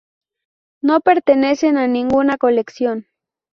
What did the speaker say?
No pertenecen a ninguna colección.